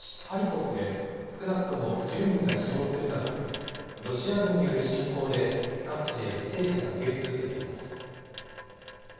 ハリコフで少なくとも１０人が死亡するなどロシア軍による侵攻で各地で犠牲者が増え続けています。